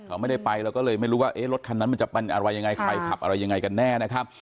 เขาไม่ได้ไปเราก็เลยไม่รู้ว่าเอ๊ะรถคันนั้นมันจะเป็นอะไรยังไงใครขับอะไรยังไงกันแน่นะครับ